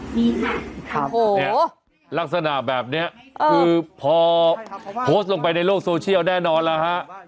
มีค่ะครับโอ้โหลักษณะแบบเนี้ยเออคือพอโพสต์ลงไปในโลกโซเชียลแน่นอนแล้วฮะ